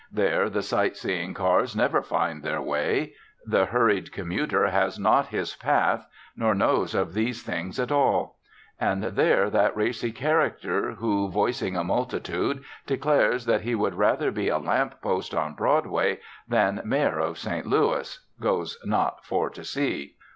There the sight seeing cars never find their way; the hurried commuter has not his path, nor knows of these things at all; and there that racy character who, voicing a multitude, declares that he would rather be a lamp post on Broadway than Mayor of St. Louis, goes not for to see.